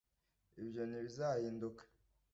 ibyo ntibizahinduka